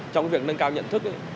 trong việc nâng cao nhận thức